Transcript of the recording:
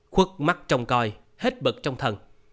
khuất mắt trông coi hết bực trong thần